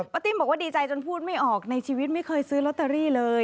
ติ้มบอกว่าดีใจจนพูดไม่ออกในชีวิตไม่เคยซื้อลอตเตอรี่เลย